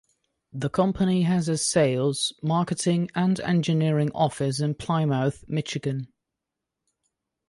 The company has a sales, marketing and engineering office in Plymouth, Michigan.